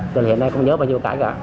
rồi hiện nay cũng nhớ bao nhiêu cái cả